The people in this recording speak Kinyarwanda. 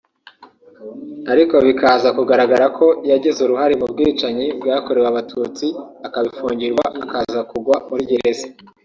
ariko bikaza kugaragara ko yagize uruhare mu bwicanyi bwakorewe Abatutsi akabifungirwa akaza kugwa muri gereza